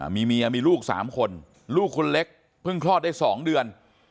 มีเมียมีลูก๓คนลูกคนเล็กเพิ่งคลอดได้๒เดือน